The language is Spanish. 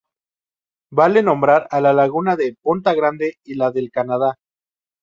Vale nombrar a la laguna de "Ponta Grande" y la del "Canadá".